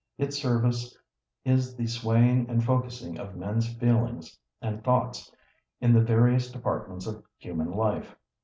Its service is the swaying and focussing of men's feelings and thoughts in the various departments of human life.